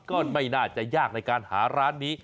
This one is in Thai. ก็ไม่น่าจะยากในการหาร้านนี้